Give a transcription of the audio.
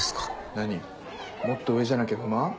何もっと上じゃなきゃ不満？